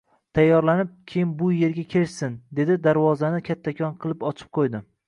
Tayyorlanib, keyin bu erga kelishsin, dedi-dadarvozani kattakon qilib ochib qo`ydi